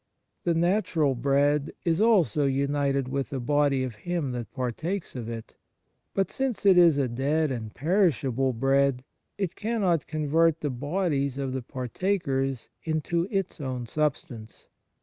The natural bread is also united with the body of him that partakes of it. But since it is a dead and perishable bread, it cannot convert the bodies of the partakers into its own substance.